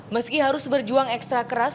meski harus berjuang ekstra keras